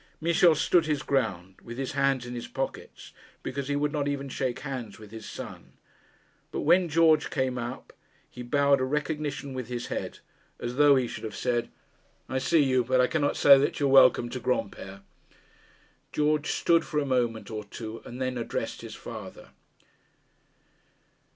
Michel stood his ground, with his hands in his pockets, because he would not even shake hands with his son. But when George came up, he bowed a recognition with his head; as though he should have said, 'I see you; but I cannot say that you are welcome to Granpere.' George stood for a moment or two, and then addressed his father.